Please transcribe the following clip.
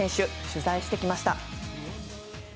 取材してきました。